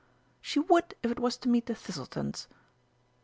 "She would if it was to meet the Thistletons."